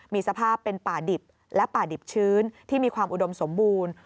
มีสภาพเป็นป่าดิบและป่าดิบชื้นที่มีความอุดมสมบูรณ์